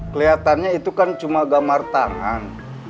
kelihatannya itu kan cuma gamar tangan